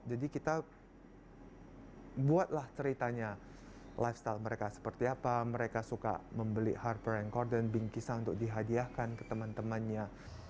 jadi kita buatlah ceritanya lifestyle mereka seperti apa mereka suka membeli harper and carden bingkisan untuk dihadiahkan ke teman temannya